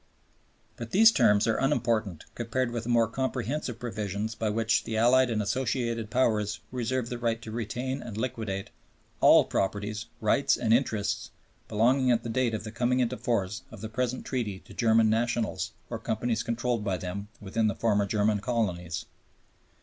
But these terms are unimportant compared with the more comprehensive provision by which "the Allied and Associated Powers reserve the right to retain and liquidate all property, rights, and interests belonging at the date of the coming into force of the present Treaty to German nationals, or companies controlled by them," within the former German colonies.